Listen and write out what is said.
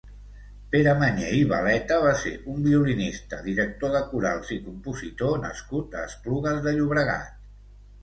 Pere Mañé i Baleta va ser un violinista, director de corals i compositor nascut a Esplugues de Llobregat.